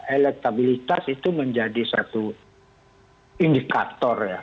elektabilitas itu menjadi satu indikator ya